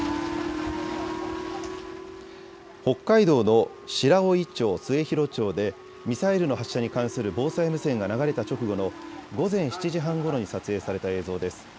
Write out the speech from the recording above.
北海道の白老町、末広町でミサイルの発射に関する防災無線が流れた直後の午前７時半ごろに撮影された映像です。